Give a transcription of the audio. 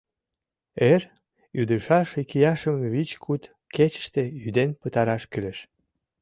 Эр ӱдышаш икияшым вич-куд кечыште ӱден пытараш кӱлеш.